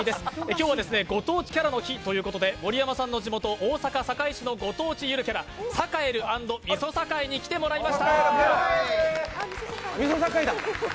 今日はご当地キャラの日ということで盛山さんの地元・大阪・堺市のご当地ゆるキャラ、サカエル＆みそさかいに来てもらいました。